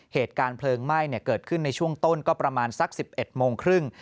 เหตุการณ์เพลิงไหม้เกิดขึ้นในช่วงต้นก็ประมาณสัก๑๑โมงครึ่ง